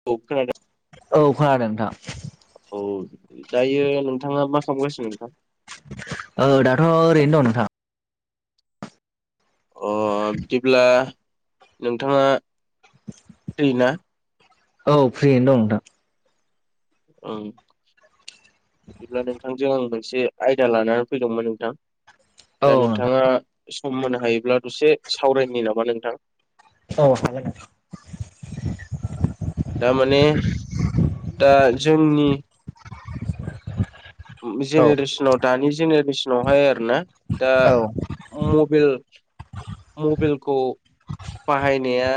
दख औ खोनादों नोंथां। औ दायो नोंथाङा मा खालामगासिनो नोंथां? औ दाथ' ओरैनो दं नोंथां। अ बिदिब्ला नोंथाङा। [inaudible] होयोना औ फ्रियैनो दं नोंथां ओं बिदिब्ला नोंथां। जों मोनसे आयदा लानानै फैदोंमोन नोंथां दा नोंथाङा? सम होनो हायोब्ला दसे सावरायनि नामा नोंथां? औ हागोन दारमाने दा जोंनि औ जेनेरेसनाव दानि जेनेरेसनावहाय आरोना दा औ मबाइल मबाइलखौ बाहायनाया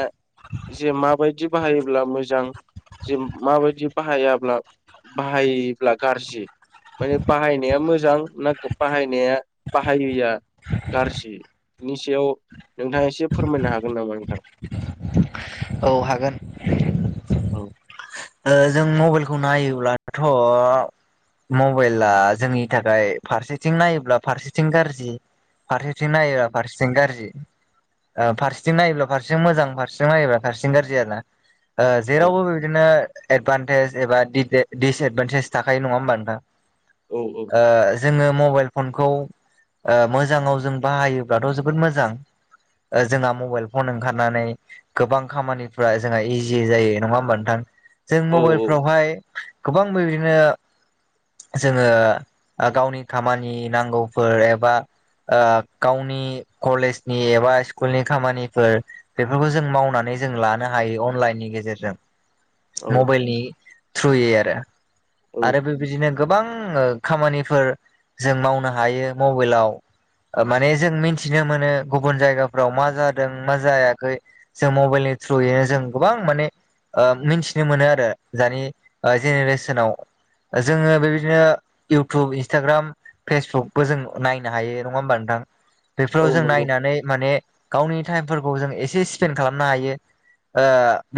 जे माबायदि बाहायोब्ला मोजां जे माबायदि बाहायाब्ला बाहायब्ला गाज्रि माने बाहायनाया मोजां ना बाहायनाया बाहायैया गाज्रि बिनि सायाव नोंथाङा एसे फोरमायनो हागोन नामा नोंथां औ हागोन औ ओ जों मबाइलखौ नायोब्लाथ' मबाइला जोंनि थाखाय फारसेथिं नायोब्ला फारसेथिं गाज्रि फारसेथिं नायोला फारसि जों गाज्रि फारसेथिं नायोब्ला फारसें मोजां फारसेथिं नायोब्ला फारसें गाज्रि आरो ना ओ औ जेरावबो बिदिनो एदभान्टेज एबा दिप दिसएदभानटेज थाखायो नङा होमबा नोंथां औ ओ जोङो मबाइल फनखौ ओ मोजाङाव जों बाहायोब्लाथ' जोबोद मोजां जोंहा मबाइल फन ओंखारनानै गोबां खामानिफ्रा जोंहा इजि जायो नङा होमबा नोंथां जों औ मबाइलफ्रावहाय गोबां बिदिनो जोङो गावनि खामानि नांगौफोर एबा ओ गावनि कलेजनि एबा स्कुलनि खामानिफोर बेफोरखौ जों मावनानै जों लानो हायो अनलाइननि गेजेरजों औ मबाइलनि थ्रुयै आरो औ आरो बे बिदिनो गोबां ओ खामानिफोर जों मावनो हायो मबाइलाव माने जों मिथिनो मोनो गुबुन जायगाफ्राव मा जादों मा जायाखै जों मबाइलनि थ्रुयैनो जों गोबां माने ओ मिथि मोनो आरो दानि जेनेरेसनाव जोङो बेबायदिनो इउटुब इन्सटाग्राम फेसबुकबो जों नायनो हायो नङा होमबा नोंथां औ बेफोराव जों नंगौ नायनानै माने गावनि टाइमफोरखौ जों एसे स्पेन्ड खालामनो हायो ओ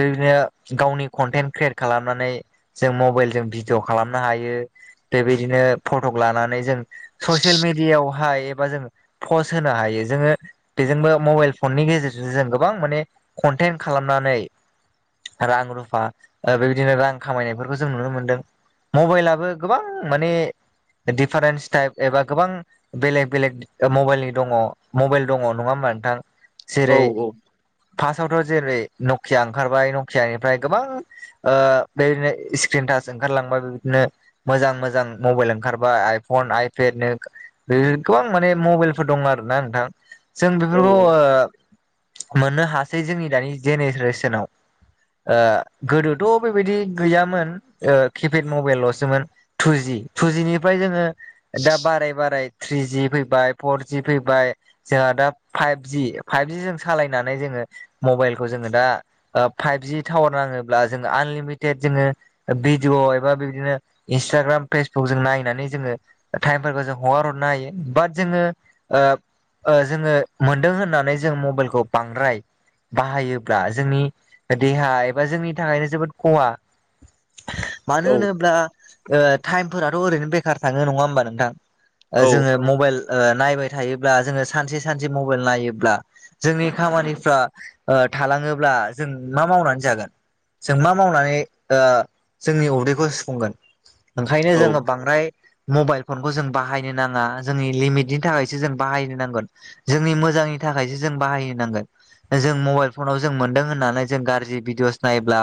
बेदिनो गावनि कन्टेन्ट क्रियेट खालामनानै जों मबाइलजों भिडिअ' खालामनो हायो बेबायदिनो फटक लानानै जों ससियेल मिडियायावहाय एबा जों पस्ट होनो हायो जोङो बेजोंबो मबाइल फननि गेजेरजों जों गोबां माने कनटेन्ट खालामनानै रां रुफा रुफा बेबायदिनो रां खामायनायफोरखौ जों नुनो मोन्दों मबाइलाबो गोबां माने दिडफारेन्स टाइप एबा गोबां बेलेग बेलेग मबाइलनि दङ मबाइल दङ नङा होमा नोंथां औ जेरै औ फार्स्टआवथ' जेरै नकिया ओंखारबाय नकियानिफ्राय गोबां ओ बेदिनो स्क्रिन टास ओंखारलांबाय बेबादिनो मोजां मोजां मबाइल ओंखारबाय आइफन आइपेड नो बे गोबां माने मबाइलफोर दं आरो ना नोंथां जों औ बेफोरखौ ओ मोननो हासै जोंनि दानि जेनेरेसनाव ओ गोदोथ' बेबायदि गैयामोन किपेड मबाइलल'सोमोन थुजि थुजिनिफ्राय जोङो दा बाराय बाराय थ्रिजि फैबाय फरजि फैबाय जोंहा दा फाइभज फाइभजिजों सालायनानै जोङो मबाइलखौ जोङो दा फाइभजि टावार नाङोब्ला जोङो आनलिमिटेड जोङो भिडिअ एबा बिदिनो इन्सटाग्राम फेसबुक जों नायनानै जोङो टाइमफोरखौ जों हगार हरनो हायो बाट जोङो ओ ओ जोङो मोनदों होननानै जों मबाइलखौ बांद्राय बाहायोब्ला जोंनि देहा एबा जोंनि थाखायनो जोबोद खहा मानो औ होनोब्ला टाइमफोराथ' ओरैनो बेखार थाङो नङा होमबा नोंथां जोङो मबाइल नायबाय थायोब्ला जोङो सानसे सानसे मबाइल नायोब्ला जोंनि खामानिफ्रा थालाङोब्ला जों मा मावनानै जागोन जों मा मावनानै जोंनि उदैखौ सुफुंगोन ओंखायनो औ जोङो बांद्राय मबाइल फनखौ जों बाहायनो नाङा जोंनि लिमिटनि थाखायसो जों बाहायनो नांगोन जोंनि मोजांनि थाखायसो जों बाहायनांगोन जों मबाइल फनाव जों मोन्दों होननानै जों गाज्रि भिदिअस नायोब्ला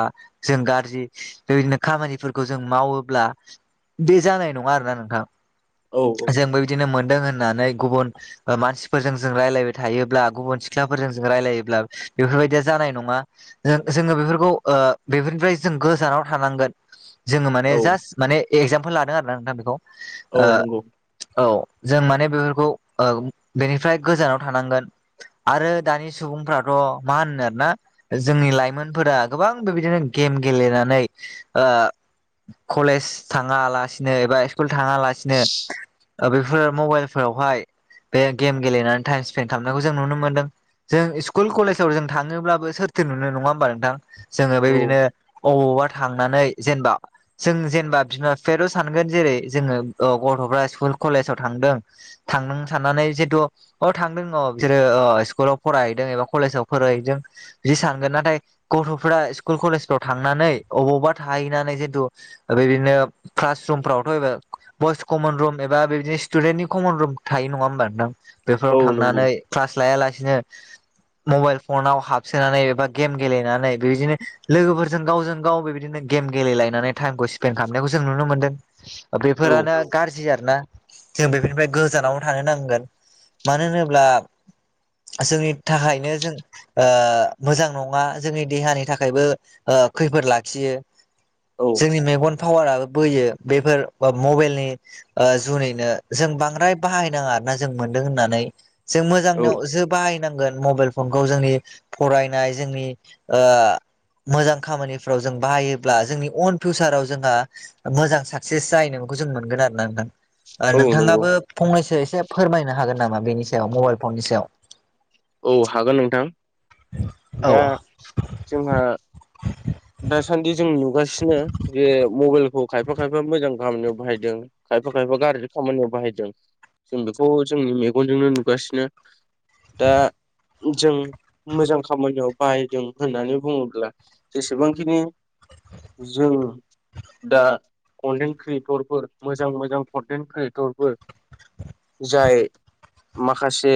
जों गाज्रि बेबायदिनो खामानिफोरखौ जों मावोब्ला बे जानाय नङा आरोना नोंथां औ जोंबो बिदिनो मोनदों होननानै गुबुन मानसिफोरजों जों रायलायबाय थायोब्ला गुबुन सिख्लाफोरजों जों रायलायोब्ला बेफोरबायदिया जानाय नङा ज जोङो बेफोरखौ बेफोरनिफ्राय जों गोजानाव थानांगोन जोङो माने औ जास्ट माने एगजामपोल लादों आरो ना नोंथां बेखौ औ नंगौ औ जों माने बेफोरखौ बेनिफ्राय गोजानाव थानांगोन आरो दानि सुबुंफ्राथ' मा होनो आरो ना जोंनि लाइमोनफोरा गोबां बेबायदिनो गेम गेलेनानै ओ कलेज थाङा लासिनो एबा स्कुल थाङा लासिनो बेफोर मबाइलफोरावहाय बे गेम गेलेनानै टाइम स्पेन्ड खालामनायखौ जों नुनो मोनदों जों स्कुल कलेजाव जों थाङोब्लाबो सोर थो नुनो नङा होमबा नोंथां जोङो औ बेबायदिनो बबावबा थांनानै जेनेबा जों जेनेबा बिमा बिफायाथ' सानगोन जेरै जोङो गथ'फ्रा स्कुल कलेजाव थांदों थांनो साननानै जिहेतु अ थांदों औ बिसोरो अ स्कुलाव फरायहैदों एबा कलेजाव फरायहैदों बि सानगोन नाथाय गथ'फ्रा स्कुल कलेजफ्राव थांनानै अबावबा थाहैनानै जितु बेबायदिनो क्लास रुमफ्रावथ' बयस कमन रुम एबा बिदिनो स्टुडेन्टनि कमन रुम थायो नङा होमबा नोंथां बेफोराव औ थांनानै नंगौ क्लास लायालासेनो मबाइल फनाव हाब सोनानै एबा गेम गेलेनानै बेबायदिनो लोगोफोरजों गावजों गाव बेबायदिनो गेम गेलायनानै टाइमखौ पेन खालामनायखौ जों नुनो मोनदों औ बेफोरानो गाज्रि आर ना जों बेफोरनिफ्राय गोजानावनो थानो नांगोन मानो होनोब्ला जोंनि थाखायनो जों ओ मोजां नङा जोंनि देहानि थाखायबो खैफोद लाखियो औ जोंनि मेगन पावाराबो बोयो बेफोर मबाइलनि जुनैनो जों बांद्राय बाहायनाङा आर ना जों मोनदों होननानै जों औ मोजांनिआव जों बाहायनांगोन मबाइल फनखौ जोंनि फरायनाय जोंनि मोजां खामानिफ्राव जों बाहायोब्ला जोंनि अन फिउसाराव जोंहा मोजां साक्सेस जायैनायखौ जों मोनगोन आरो ना नोंथां औ नंगौ नोंथाङाबो फंनैसो एसे फोरमायनो हागोन नामा बेनि सायाव मबाइल फननि सायाव औ हागोन नोंथां औ दा जोंहा दासान्दि जों नुगासिनो बे मबाइलखौ खायफा खायफा मोजां खामानियाव बाहायदों खायफा खायफा गाज्रि खामानियाव बाहायदों जों बेखौ जोंनि मेगनजोंनो नुगासिनो दा जों मोजां खामानियाव बाहायदों होननानै बुङोब्ला जेसेबांखिनि जों दा कनटेन् क्रियेटरफोर मोजां मोजां कन्टेन्ट क्रियेटरफोर जाय माखासे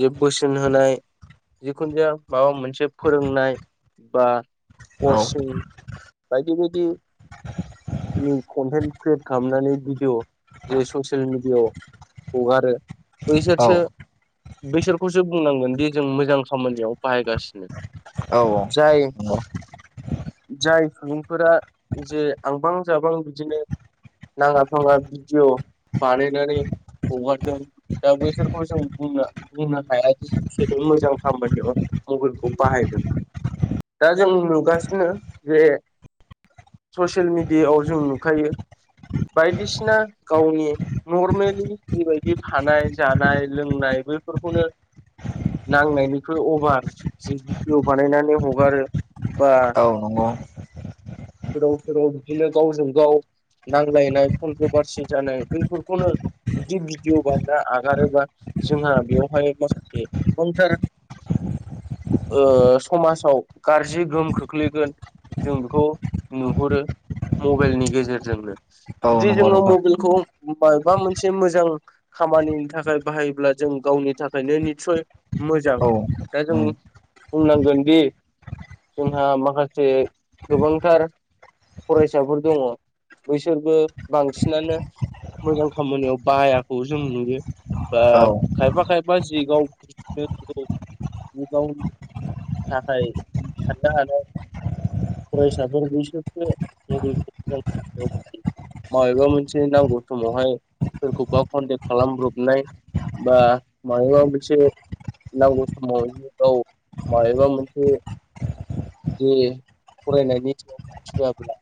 जे बोसोन होनाय जिखुनु जाया माबा मोनसे फोरोंनाय बा औ खसे बायदि बायदि नि कनटेन्ट क्रियेट खालामनानै भिडिअ जे ससियेल मिेडियाआव हगारो बैसोरसो बैसोरखौसो बुंनांगोन दि जों मोजां खामानियाव बाहायगासिनो औ जाय जाय सुबुंफोरा जे आंबां जाबां बिदिनो नाङा फाङा भिडिअ बानायनानै हगारदों दा बैसोरखौ जों बुंनो बुंनो हाया दि बिसोर मोजां खामानियाव मबाइलखौ बाहायदों दा जों नुगासिनो जे ससियेल मिडियाआव जों नुखायो बायदिसिना गावनि नर्मेलि बेबायदि थानाय जानाय लोंनायबो बेफोरखौनो नांनायनिख्रुइ अभार जे भिडिअ बानायनानै हगारो बा औ नंगौ औ नंगौ सोराव सोराव बिदिनो गावजों गाव नांज्लायनाय कन्ट्रभारसि जानाय बेफोरखौनो बिदि भिडिअ बाना आगारोबा जोंहा बेयावहाय मस सार समाजाव गाज्रि गोहोम खोख्लैगोन जों बेखौ नुहुरो मबाइलनि गेजेरजोंनो औ ज नंगौ जोंङ नोंथां मबलखौ माबा मोनसे मोजां खामानिनि थाखाय बाहायोब्ला जों गावनि थाखायनो निसय मोजां औ दा जों उम बुंनांगोन दि जोंहा माखासे गोबांथार फरायसाफोर दङ बैसोरबो बांसिनानो मोजां खामानियाव बायाखौ जों नुयो बा औ खायफा खायफा जि गावांगौ जि गावनि थाखाय थदा हानाय फरायसाफोर बसोरसो मबाइलखौ मोजां माबेबा मोनसे नांगौ समावहाय सोरखौबा कन्टेक्ट खालामब्रबनाय बा म मोनसे नांगौ समाव औ माबबा मोनसे जे फरायनायनि सायाव होोआाब्ला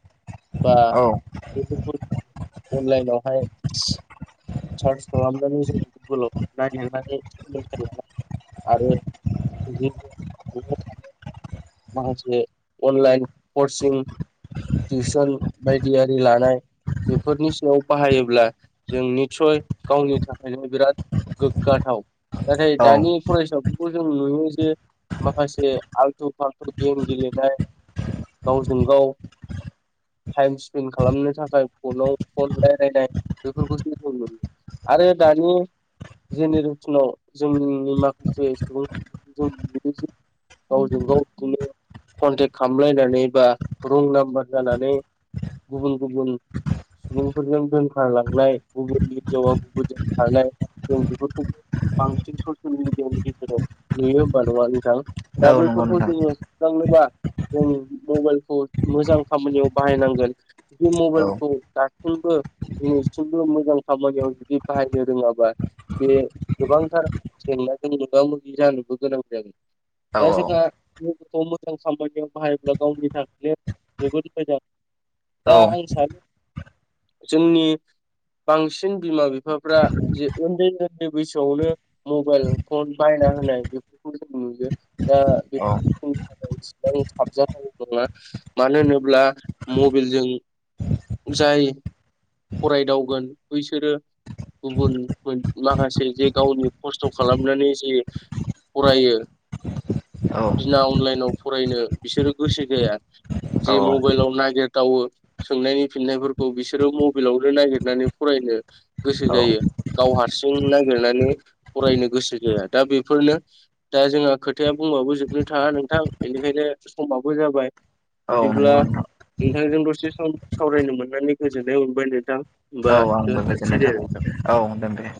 बा औ बेफोरखौ अनलाइनावहाय सार्च खालामनानै जों गुगोलाव नागिरनानै सोलोंथ ला आरो न'आव थानाय माखासे अनलाइन कर्सिं टिउसन बायदियरारि लानाय बेफोरनि सायाव बाहायोब्ला जोंनि निसयय गावनि थाखायनो बिराद गोग्गाथाव नाथाय औ दानि फरायसाफोरखौ जों नुयो जे माखासे आल्थु फाल्थु गेम गेलेनाय गावजों गाव टाइम स्पेन्ड खालामनो थाखाय फनाव फन रायलायनाय बेफोरखौसो जों नुयो आरो दानि जेनेरेसनाव जोंनि माखासे सुबुंफोरखौ जों नुनो गावजों गावखौनो कनटेक्ट खालामलायनानै बा रं नाम्बार जानानै गुबुन गुबुन सुबुंफोरजों दोनखारलांनाय गुबुननि हिनजावा गुबुनजों खारनाय जों बेफोरखौबो बांसिन ससियेल मिडियानि गेजेराव नुयो होनबा नंङा नोंथां औ दा नंगौ बैफोरखौ नोंथां जोंङो थांनोबा जों मबाइलखौ मोजां खामानियाव बाहायनांगोन बे औ मबाइलखौ दासिमबो दिनैसिम मोजां खामानियाव जुदि बाहायनो रोंङाबा बे गोबांथार जेंनाजों मोगा मोगि जानोबो गोनां जादों औ दा जोंहा गथ'फोरखौ मोजां खामानियाव बाहायोब्ला गावनि थाखायल जोबोद मोजां औ दा आं सानो जोंनि बांसिन बिमा बिफाफ्रा जे उन्दै उन्दै बैसोआवनो मबाइल फन बायना होनाय बेफोरखौ जों नुयो दा बे [inaudible] इसेबां साबजाथाव नङा मानो होनोब्ला मबेलजों जाय फरायदावगोन बैसोरो गुबुन माखासे जे गावनि खस्थ' खालामनानै जे फरायो औ बिना अनलाइनाव फरायनो बिसोरो गोसो जाया। औ जे मबाइलाव नागिरदावो सोंनायनि फिननायफोरखौ बिसोरो मबेलावनो नागिरनानै फरायनो गोसो जायो, गाव हारसिं नागिरनानै फरायनो गोसो जाया दा बेफोरनो दा जोंहा खोथाया बुंबाबो जोबनो थाङा नोंथां बेनिखायनो समाबो जाबाय बिदिब्ला नंगौ नोंथां नोंथांजों दसे सावरायनो मोननानै गोजोननाय मोनबाय नोंथां। होमबा औ आंबो दोनथ'नोसै गोजोननाय दे नोंथां थाबाय औ दोन दे।